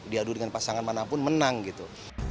diadu dengan pasangan manapun menang gitu